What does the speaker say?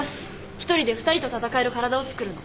１人で２人と戦える体をつくるの。